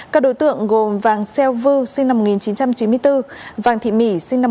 các đối tượng gồm vàng xeo vư sinh năm một nghìn chín trăm chín mươi bốn vàng thị mỹ sinh năm một nghìn chín trăm chín mươi bốn